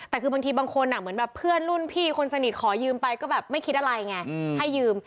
แต่คือบางทีบางคนเหมือนแบบเพื่อนรุ่นพี่คนสนิทขอยืมไปก็แบบไม่คิดอะไรไงให้ยืม